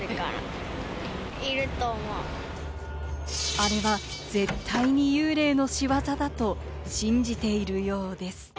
あれは絶対に幽霊の仕業だと信じているようです。